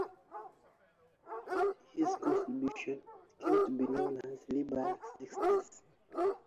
His contribution came to be known as the "Liber Sextus".